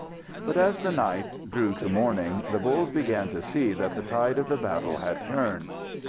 But as the night drew to morning, the bulls began to see that the tide of the battle had turned.